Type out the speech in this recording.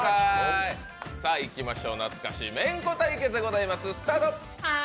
いきましょう、懐かしいメンコ対決でございます、スタート。